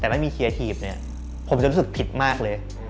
แต่มันมีเคลียร์ถีดผมจะรู้สึกผิดมากเลย